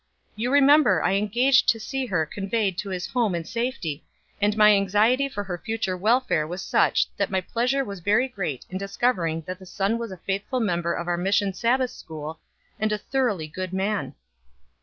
You remember I engaged to see her conveyed to his home in safety, and my anxiety for her future welfare was such that my pleasure was very great in discovering that the son was a faithful member of our mission Sabbath school, and a thoroughly good man."